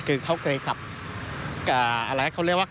คือเขาเคยขับอะไรเขาเรียกว่า